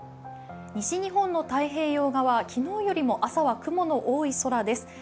西日本の太平洋側、昨日よりも朝は雲の多い空です。